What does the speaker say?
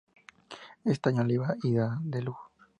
Este año le ha ido de lujo